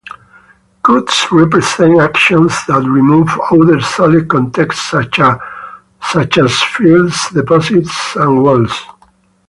Cuts represent actions that remove other solid contexts such as fills, deposits, and walls.